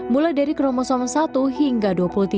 mulai dari kromosom satu hingga dua puluh tiga